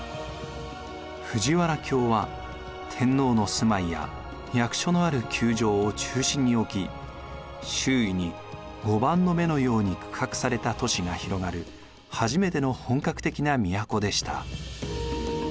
藤原京は天皇の住まいや役所のある宮城を中心に置き周囲に碁盤の目のように区画された都市が広がる初めての本格的な都でした。